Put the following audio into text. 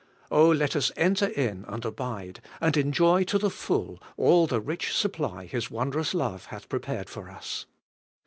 Oh, let us enter in and abide, and enjoy to the full all the rich supply His wondrous love hath prepared for us!